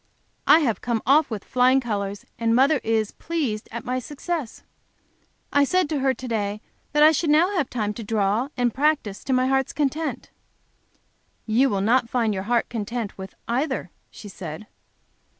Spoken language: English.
I have come off with flying colors, and mother is pleased at my success. I said to her to day that I should now have time to draw and practice to my heart's content. "You will not find your heart content with either," she said.